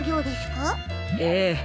ええ。